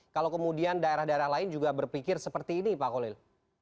kalau kemudian daerah daerah lain juga berpikir seperti ini pak kolil